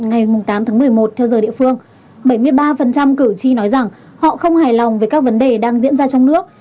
ngày tám tháng một mươi một theo giờ địa phương bảy mươi ba cử tri nói rằng họ không hài lòng về các vấn đề đang diễn ra trong nước